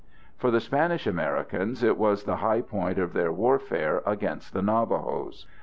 For the Spanish Americans, it was the high point of their warfare against the Navajos.